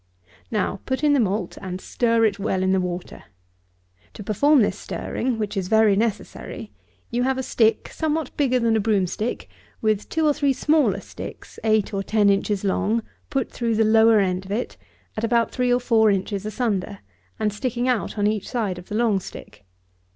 Now put in the malt and stir it well in the water. To perform this stirring, which is very necessary, you have a stick, somewhat bigger than a broom stick, with two or three smaller sticks, eight or ten inches long, put through the lower end of it at about three or four inches asunder, and sticking out on each side of the long stick.